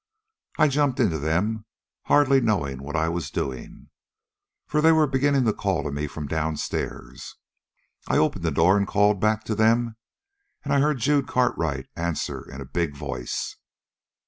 "I jumped into them, hardly knowing what I was doing. For they were beginning to call to me from downstairs. I opened the door and called back to them, and I heard Jude Cartwright answer in a big voice.